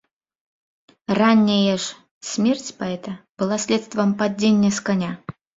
Ранняя ж смерць паэта была следствам падзення з каня.